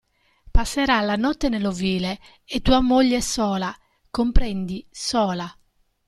Passerà la notte nell'ovile, e tua moglie è sola, comprendi, sola.